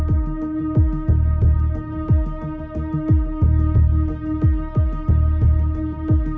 น่าพร้อมเวลาก็เปิดประตูมาแหละกัน